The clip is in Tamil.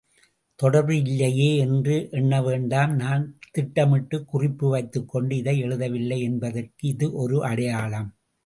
தொடர்பு இல்லையே என்று எண்ணவேண்டாம் நான் திட்டமிட்டுக் குறிப்பு வைத்துக்கொண்டு இதை எழுதவில்லை என்பதற்கு இது ஒரு அடையாளம்.